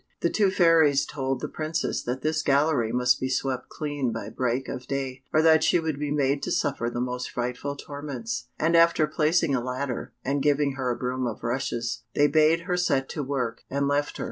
The two fairies told the Princess that this gallery must be swept clean by break of day, or that she would be made to suffer the most frightful torments, and after placing a ladder, and giving her a broom of rushes, they bade her set to work, and left her.